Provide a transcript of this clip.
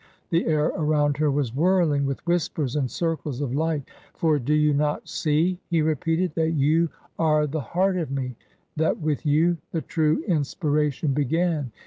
The air around her was whirling with whispers and circles of light. " For do you not see/* he repeated, " that you are the heart of me — that with you the true inspiration began